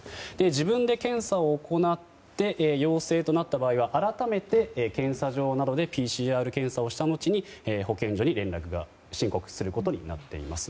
自分で検査を行って陽性となった場合、改めて検査場などでＰＣＲ検査をした後に、保健所に申告することになっています。